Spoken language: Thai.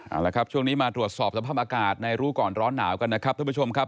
เอาละครับช่วงนี้มาตรวจสอบสภาพอากาศในรู้ก่อนร้อนหนาวกันนะครับท่านผู้ชมครับ